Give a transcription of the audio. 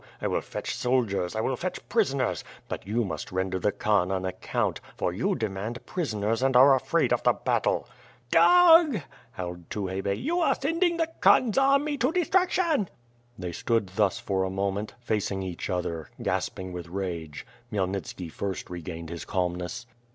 I will fetch soldiers, I will fetch prisoners; but you must render the Khan an account, for you demand prisoners and are afraid of the battle.^' "Dog," howled Tukhay Bey, "you are sending the Khan's army to destruction." They stood thus a moment, facing each other, gasping with rage. Khmyelnitski first regained his calmness.